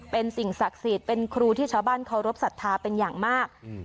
เป็นสิ่งศักดิ์สิทธิ์เป็นครูที่ชาวบ้านเคารพสัทธาเป็นอย่างมาก